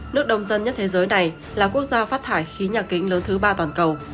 nước đông dân nhất thế giới này là quốc gia phát thải khí nhà kính lớn thứ ba toàn cầu